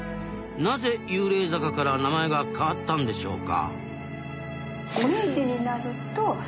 なぜ幽霊坂から名前が変わったんでしょうか？